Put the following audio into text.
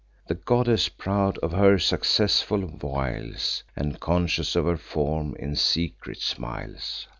The goddess, proud of her successful wiles, And conscious of her form, in secret smiles.